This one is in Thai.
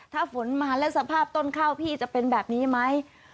ถ้าฝนมาแล้วสภาพต้นข้าวพี่จะเป็นแบบนี้ไหม